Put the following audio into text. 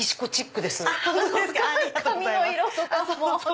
髪の色とかも。